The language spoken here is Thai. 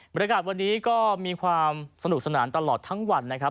บริการวันนี้ก็มีความสนุกสนานตลอดทั้งวันนะครับ